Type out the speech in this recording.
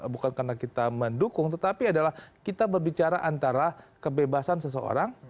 bukan karena kita mendukung tetapi adalah kita berbicara antara kebebasan seseorang